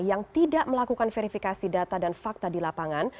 yang tidak melakukan verifikasi data dan fakta di lapangan